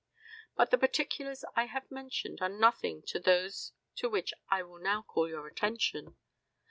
But the particulars I have mentioned are nothing to those to which I will now call your attention.